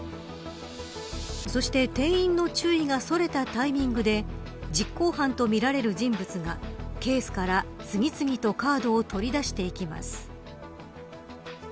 そして、店員の注意がそれたタイミングで実行犯とみられる人物がケースから次々とカードを取り出していきます。